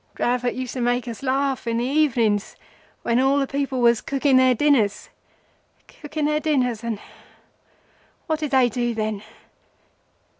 Dravot used to make us laugh in the evenings when all the people was cooking their dinners—cooking their dinners, and … what did they do then?